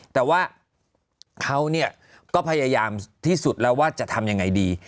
แต่ว่าเขาก็พยายามที่สุดแล้วว่าจะทำยังไงดี